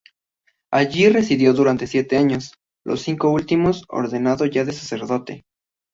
Allí residió durante siete años, los cinco últimos ordenado ya de sacerdote.